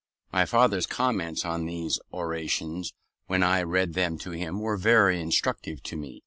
My father's comments on these orations when I read them to him were very instructive to me.